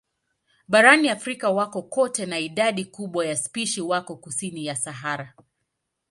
Barani Afrika wako kote na idadi kubwa ya spishi wako kusini ya Sahara.